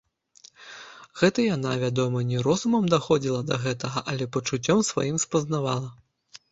Гэта яна, вядома, не розумам даходзіла да гэтага, але пачуццём сваім спазнавала.